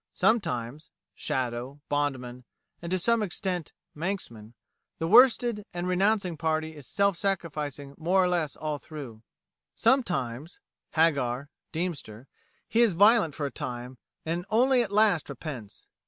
Sometimes ('Shadow,' 'Bondman,' and to some extent 'Manxman') the worsted and renouncing party is self sacrificing more or less all through; sometimes ('Hagar,' 'Deemster,') he is violent for a time, and only at last repents.